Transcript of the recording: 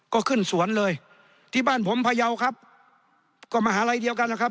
ก็ขึ้นสวนเลยที่บ้านผมพยาวครับก็มหาลัยเดียวกันนะครับ